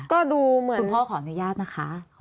คุณพ่อขออนุญาตนะคะ